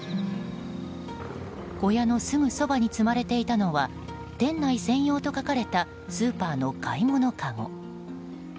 小屋のすぐそばに積まれていたのは店内専用と書かれたスーパーの買い物かご。